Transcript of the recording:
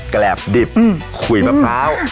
แกรบดิบขุ่ยพะเพรา